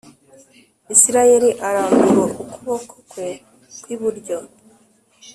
Isirayeli arambura ukuboko kwe kw iburyo